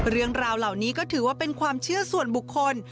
เรื่องราวเหล่านี้ก็ถือว่าเป็นความเชื่อส่วนบุคคล